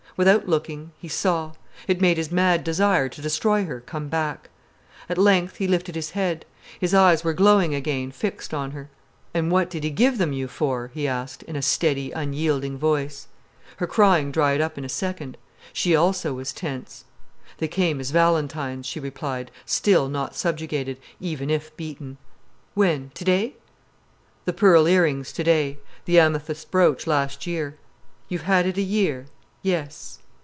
Without looking, he saw. It made his mad desire to destroy her come back. At length he lifted his head. His eyes were glowing again, fixed on her. "And what did he give them you for?" he asked, in a steady, unyielding voice. Her crying dried up in a second. She also was tense. "They came as valentines," she replied, still not subjugated, even if beaten. "When, today?" "The pearl ear rings today—the amethyst brooch last year." "You've had it a year?" "Yes."